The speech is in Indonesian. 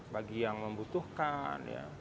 bagi yang membutuhkan